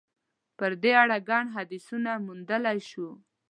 په دې اړه ګڼ حدیثونه موندلای شو.